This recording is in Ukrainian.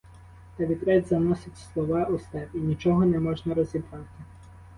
Та вітрець заносить слова у степ, і нічого не можна розібрати.